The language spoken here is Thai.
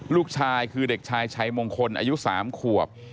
ลูกชายคือเด็กชายชัยมงคลอายุ๓ขวบ